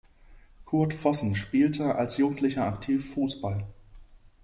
Kurt Vossen spielte als Jugendlicher aktiv Fußball.